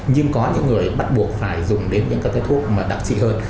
nhưng có những người bắt buộc phải dùng đến những cái thuốc đặc trị hơn